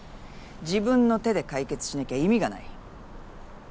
自分の手で解決しなきゃ意味がない。